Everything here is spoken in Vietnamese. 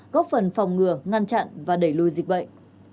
góp phần phòng ngừa ngăn chặn và đẩy lùi dịch bệnh